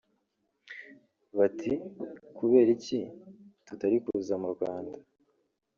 bati “Kubera iki tutari kuza mu Rwanda